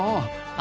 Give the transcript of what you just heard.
あ。